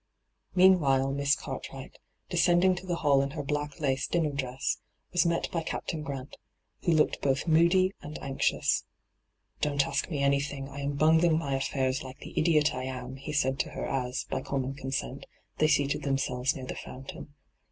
Meanwhile Miss Cartwright, descending to the hall in her black lace dinner dress, was met by Captain Grant, who looked both moody and anxious. ' Don't ask me anything ; I am bungling my affairs like the idiot I am,' he said to her as, by common consent, they seated themselves near the fountain.